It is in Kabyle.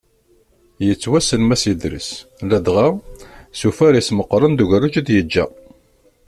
Yettwassen Mass Idres, ladɣa, s ufaris meqqren d ugerruj i d-yeǧǧa.